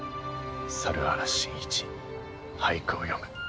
猿原真一俳句を詠む。